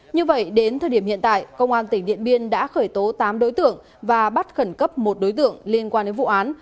như vậy đến thời điểm hiện tại công an tỉnh điện biên đã khởi tố tám đối tượng và bắt khẩn cấp một đối tượng liên quan đến vụ án